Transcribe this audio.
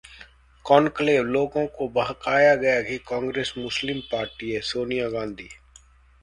conclave: लोगों को बहकाया गया कि कांग्रेस मुस्लिम पार्टी है- सोनिया गांधी